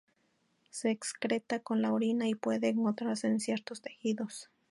Se excreta con la orina y puede encontrarse en ciertos tejidos.